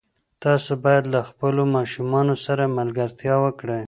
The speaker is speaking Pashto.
تاسو باید له خپلو ماشومانو سره ملګرتیا وکړئ.